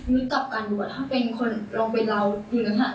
ยังแบบเขายังไม่โอเคอะไรกับเราเลยค่ะ